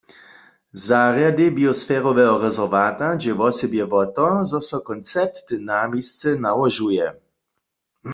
Zarjadej biosferoweho rezerwata dźe wosebje wo to, zo so koncept dynamisce nałožuje.